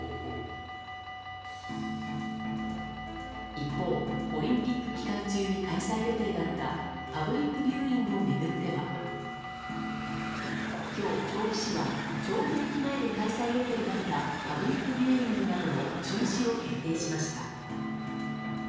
一方、オリンピック期間中に開催予定だったパブリックビューイングを巡っては今日、調布市は調布駅前で開催予定だったパブリックビューイングなどの中止を決定しました。